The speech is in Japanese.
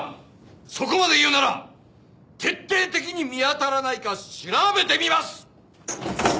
そこまで言うなら徹底的に見当たらないか調べてみます！